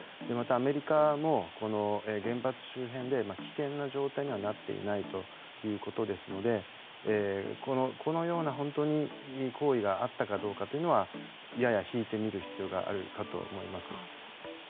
また、アメリカもこの原発周辺で危険な状態にはなっていないということですのでこのような行為が本当にあったかどうかというのはやや引いて見る必要があるかと思います。